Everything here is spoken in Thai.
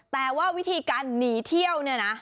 แต่ว่าวิธีการหนีเที่ยวเนี่ยนะ